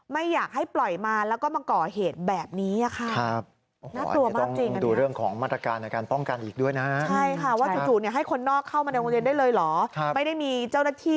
ไม่อยากให้ปล่อยมาแล้วก็มาก่อเหตุแบบนี้ค่ะน่ากลัวมากจริง